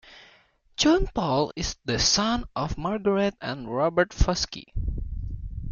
John Paul is the son of Margaret and Robert Foschi.